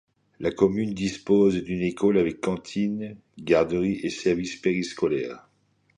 La commune dispose d'une école avec cantine, garderie et services périscolaires.